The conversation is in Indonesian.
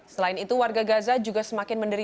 selain itu warga gaza juga semakin menderita